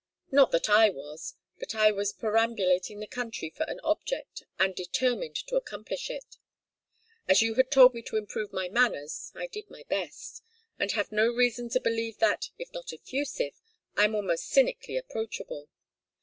Not that I was; but I was perambulating the country for an object and determined to accomplish it. As you had told me to improve my manners I did my best, and have reason to believe that, if not effusive, I am almost cynically approachable.